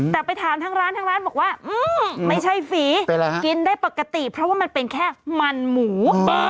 แต่ไปถามทางร้านทั้งร้านบอกว่าไม่ใช่ฝีกินได้ปกติเพราะว่ามันเป็นแค่มันหมู